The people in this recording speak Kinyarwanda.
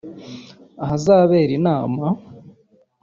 ahazabera inama